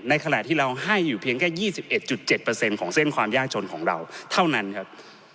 ขณะที่เราให้อยู่เพียงแค่๒๑๗ของเส้นความยากจนของเราเท่านั้นครับ